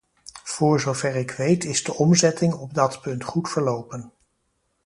Voor zover ik weet is de omzetting op dat punt goed verlopen.